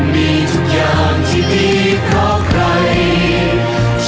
มีทุกอย่างที่ดีเพราะใคร